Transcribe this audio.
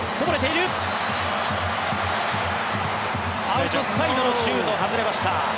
アウトサイドのシュート外れました。